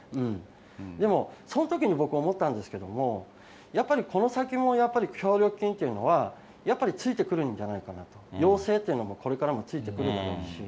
でも、そのときに僕、思ったんですけれども、やっぱりこの先もやっぱり、協力金というのは、やっぱりついてくるんじゃないかなと、要請っていうのも、これからもついてくるだろうし。